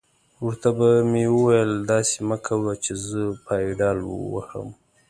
ور ته به مې ویل: داسې مه کوه چې زه پایډل وهم.